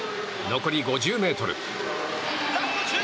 残り５０ｍ。